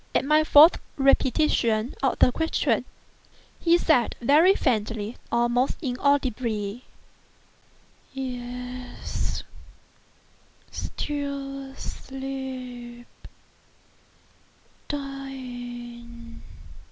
At my fourth repetition of the question, he said very faintly, almost inaudibly: "Yes; still asleep—dying."